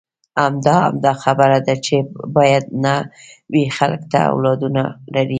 همدا، همدا خبره ده چې باید نه وي، خلک تل اولادونه لري.